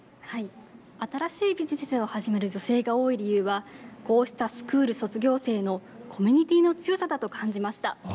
新しいビジネスを始める女性が多い理由はこうしたスクール卒業生のコミュニティーの強さだと感じました。